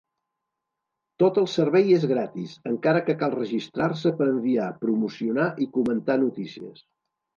Tot el servei és gratis, encara que cal registrar-se per enviar, promocionar i comentar notícies.